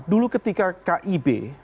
dulu ketika kib